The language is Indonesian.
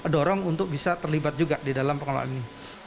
dorong untuk bisa terlibat juga di dalam pengelolaan ini